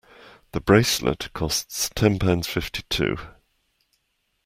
The bracelet costs ten pounds fifty-two